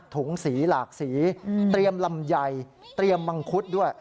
ถุงสีหลากสีเตรียมลำไยเตรียมมังคุดด้วย